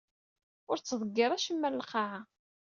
Ur ttḍeggir acemma ɣer lqaɛa.